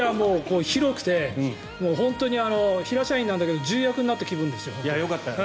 広くて本当に平社員なんだけど重役になった気分ですよ。よかった。